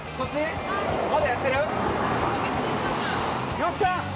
よっしゃ！